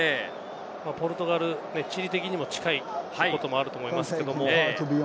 ポルトガル、地理的にも近いこともあると思いますけれども。